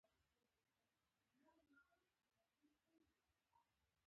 د ټولګټو وزارت سړکونه څنګه ساتي؟